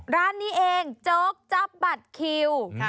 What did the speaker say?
ร้านนี้เองโจ๊กจั๊บบัตรคิว